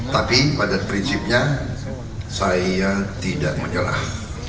tapi pada prinsipnya saya tidak menyelah